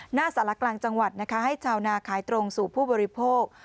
หน้าสารกลางจังหวัดนะคะให้ชาวนาขายตรงสู่ผู้บริโภค